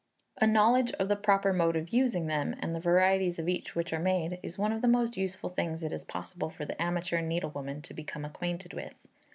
A knowledge of the proper mode of using them, and the varieties of each which are made, is one of the most useful things it is possible for the amateur needle woman to become acquainted with.